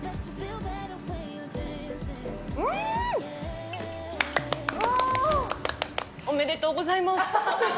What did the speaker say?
うーん。おめでとうございます！